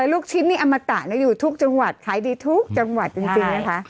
ลูกชิ้นนี่อมตะอยู่ทุกจังหวัดขายดีทุกจังหวัดจริงนะคะ